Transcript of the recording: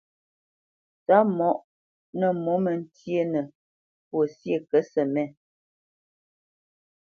Tsopmǒ nǝ mǒmǝ ntyénǝ́ fwo syé kǝtʼsǝmét.